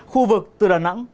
khu vực từ đà nẵng